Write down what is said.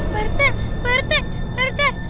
pak rt pak rt pak rt